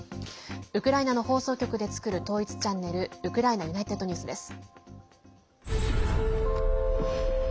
ウクライナの放送局で作る統一チャンネルウクライナＵｎｉｔｅｄＮｅｗｓです。